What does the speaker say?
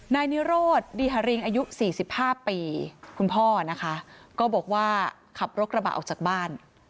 นายนิโรธดีฮริงอายุ๔๕ปีคุณพ่อนะคะก็บอกว่าขับรถกระบะออกจากบ้าน